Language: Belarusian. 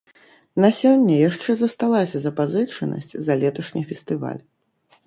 На сёння яшчэ засталася запазычанасць за леташні фестываль.